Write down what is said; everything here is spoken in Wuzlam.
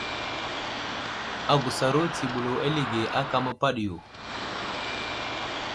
Agusaro tsiɓlo alige áka məpaɗiyo.